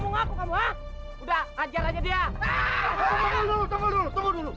tunggu dulu tunggu dulu